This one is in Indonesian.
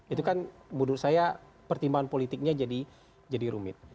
itu kan menurut saya pertimbangan politiknya jadi rumit